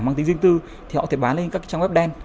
mang tính riêng tư thì họ có thể bán lên các trang web đen